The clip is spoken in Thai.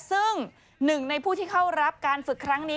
ซึ่งหนึ่งในผู้ที่เข้ารับการฝึกครั้งนี้